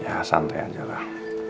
ya santai aja lah